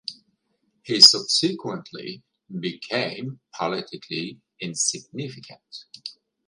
He subsequently became politically insignificant.